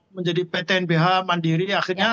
menjadi ptnbh mandiri akhirnya